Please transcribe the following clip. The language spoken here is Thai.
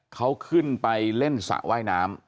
เขาขึ้นไปเล่นสระว่ายน้ำ